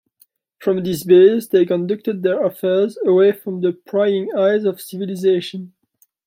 From this base, they conducted their affairs away from the prying eyes of civilization.